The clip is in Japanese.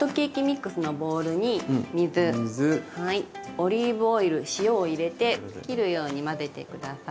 オリーブオイル塩を入れて切るように混ぜて下さい。